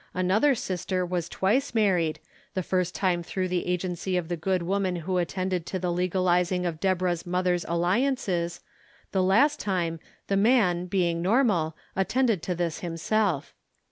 Another sister was twice married, the first time 64 THE KALLIKAK FAMILY through the agency of the good woman who attended to the legalizing of Deborah's mother's alliances, the last time, the man, being normal, attended to this himself.